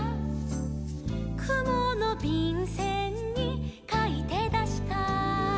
「くものびんせんにかいてだした」